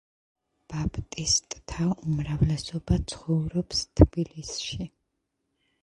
ბაპტისტთა უმრავლესობა ცხოვრობს თბილისში.